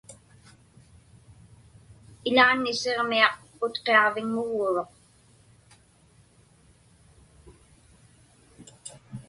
Iḷaanni Siġmiaq Utqiaġviŋmuguuruq.